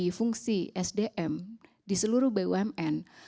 di fungsi sdm di seluruh bumn